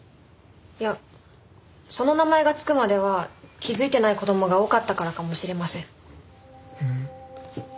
いやその名前が付くまでは気づいてない子どもが多かったからかもしれません。